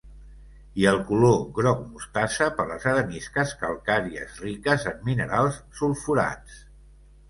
I el color groc mostassa per les arenisques calcàries riques en minerals sulfurats.